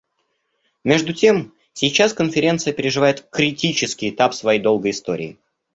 Между тем сейчас Конференция переживает критический этап своей долгой истории.